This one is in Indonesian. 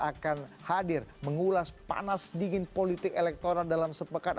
akan hadir mengulas panas dingin politik elektoral dalam sepekan